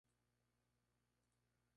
Hizo amistad con Mark Twain.